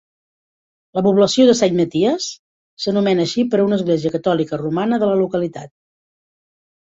La població de Saint Mathias s'anomena així per una església catòlica romana de la localitat.